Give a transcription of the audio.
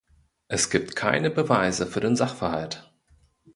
Es gibt keine Beweise für den Sachverhalt.